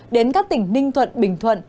đến các tỉnh ninh thuận bình thuận